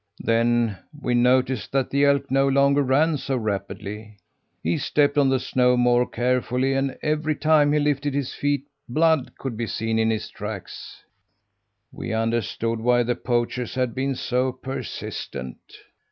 "Then we noticed that the elk no longer ran so rapidly. He stepped on the snow more carefully, and every time he lifted his feet, blood could be seen in his tracks. "We understood why the poachers had been so persistent!